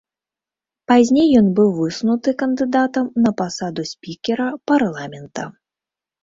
Пазней ён быў высунуты кандыдатам на пасаду спікера парламента.